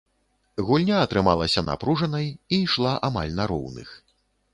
Гульня атрымалася напружанай і ішла амаль на роўных.